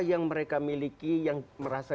yang mereka miliki yang merasa